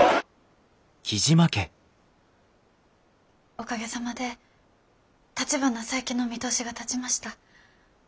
おかげさまでたちばな再建の見通しが立ちました。